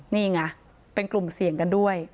นี่ไงเป็นกลุ่มเสี่ยงกันด้วย